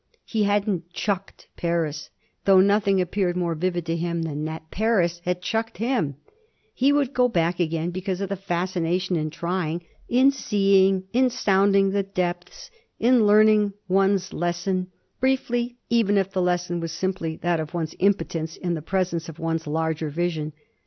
He hadn't 'chucked' Paris though nothing appeared more vivid to him than that Paris had chucked him: he would go back again because of the fascination in trying, in seeing, in sounding the depths in learning one's lesson, briefly, even if the lesson were simply that of one's impotence in the presence of one's larger vision.